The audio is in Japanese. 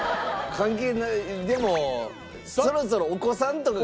関係ないでもそろそろお子さんとかが。